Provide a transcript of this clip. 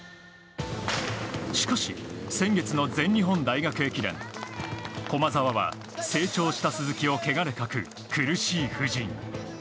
しかし先月の全日本大学駅伝駒澤は成長した鈴木をけがで欠く苦しい布陣。